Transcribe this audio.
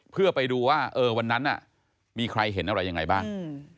เพื่อไปดูว่าเออวันนั้นมีใครเห็นอะไรยังไงบ้าง